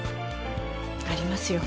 ありますよ。